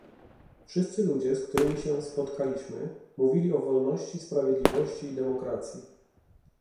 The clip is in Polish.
Wszyscy ludzie, z którymi się spotkaliśmy, mówili o wolności, sprawiedliwości i demokracji